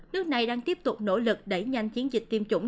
nước này đang tiếp tục nỗ lực đẩy nhanh chiến dịch tiêm chủng